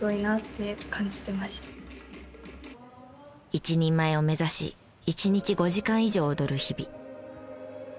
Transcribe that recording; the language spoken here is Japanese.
一人前を目指し一日５時間以上踊る日々。